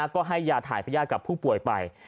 ก็ให้ยาถ่ายพญาติกับผู้ป่วยไป